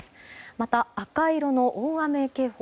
また、赤色の大雨警報